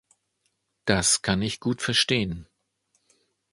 Das kann ich gut verstehen.